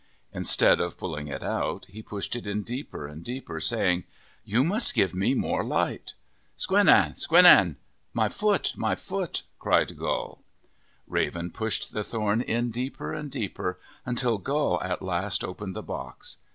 Instead of pulling it out, he pushed it in deeper and deeper, saying, " You must give me more light." " Sqendn ! sqendn ! My foot ! my foot !' cried Gull. Raven pushed the thorn in deeper and deeper until Gull at last opened the box.